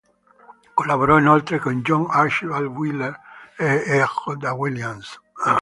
Collaborò inoltre con John Archibald Wheeler e E. J. Williams.